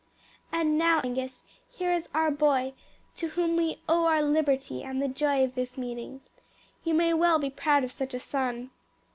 "And now, Angus, here is our boy, to whom we owe our liberty and the joy of this meeting. You may well be proud of such a son."